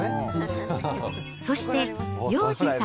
そして洋治さん